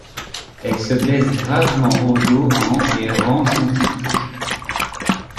Elle se blesse gravement au dos en et rend son titre.